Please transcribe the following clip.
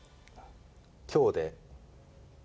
今日で。